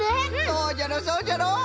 そうじゃろそうじゃろ！